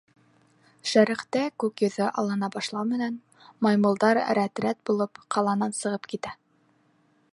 Шәреҡтә күк йөҙө аллана башлау менән, маймылдар рәт-рәт булып ҡаланан сығып китә.